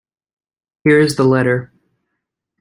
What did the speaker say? Here is the letter.